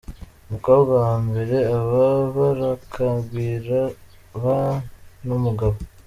Umukobwa wa mbere aba Barakagwira ba Numugabo.